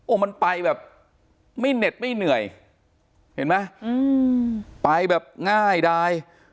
มันไปแบบไม่เหน็ดไม่เหนื่อยเห็นไหมไปแบบง่ายดาย